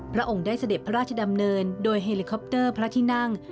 องค์ได้เสด็จพระราชดำเนินโดยเฮลิคอปเตอร์พระที่นั่ง